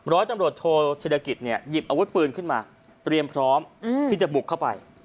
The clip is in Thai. ร้อยตำรวจโทธิรกิจเนี่ยหยิบอาวุธปืนขึ้นมาเตรียมพร้อมที่จะบุกเข้าไป